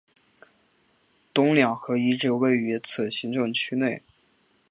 东两河遗址位于此行政区内。